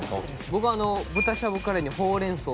僕は豚しゃぶカレーにほうれん草と。